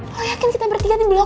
lo yakin kita bertiga di blok